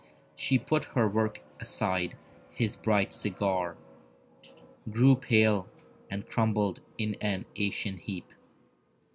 She put her work aside; his bright cigar Grew pale, and crumbled in an ashen heap.